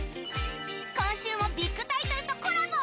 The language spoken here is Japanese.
今週もビッグタイトルとコラボ。